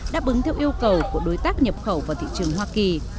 đáp ứng theo yêu cầu của đối tác nhập khẩu vào thị trường hoa kỳ